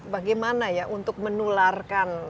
bagaimana ya untuk menularkan